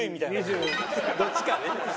どっちかね。